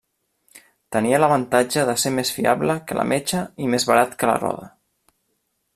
Tenia l'avantatge de ser més fiable que la metxa i més barat que la roda.